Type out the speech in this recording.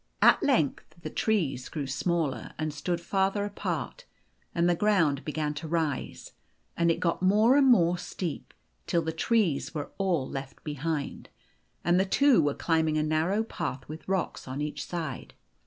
At length the trees grew smaller, and stood farther apart, and the ground began to rise, and it got more and more steep, till the trees were all left behind, and the two were climbing a narrow path with rocks on each side.